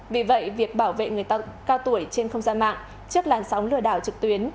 vì vậy việc bảo vệ người cao tuổi trên không gian mạng trước làn sóng lừa đảo trực tuyến